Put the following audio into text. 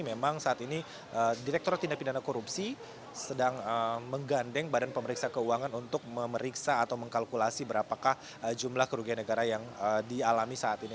memang saat ini direktur tindak pidana korupsi sedang menggandeng badan pemeriksa keuangan untuk memeriksa atau mengkalkulasi berapakah jumlah kerugian negara yang dialami saat ini